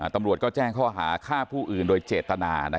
ตำรวจก็แจ้งข้อหาฆ่าผู้อื่นโดยเจตนา